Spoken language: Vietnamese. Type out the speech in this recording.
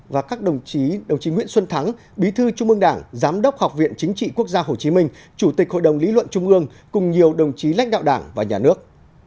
và các đồng chí nguyễn xuân thắng bí thư trung ương đảng giám đốc học viện chính trị quốc gia hồ chí minh chủ tịch hội đồng lý luận trung ương cùng nhiều đồng chí lãnh đạo đảng và nhà nước